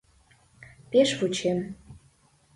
Пеш вучем.